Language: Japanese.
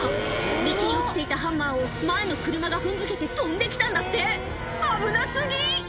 道に落ちていたハンマーを前の車が踏んづけて飛んできたんだって危な過ぎ！